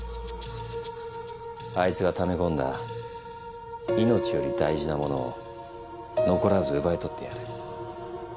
あいつがため込んだ命より大事なものを残らず奪い取ってやる。